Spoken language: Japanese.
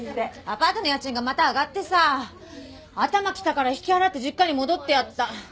アパートの家賃がまた上がってさ頭きたから引き払って実家に戻ってやった。